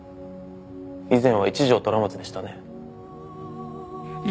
以前は一条虎松でしたね。